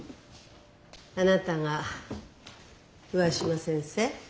あなたが上嶋先生？